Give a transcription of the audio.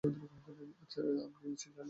আচ্ছা, আপনি নিশ্চয় জানেন।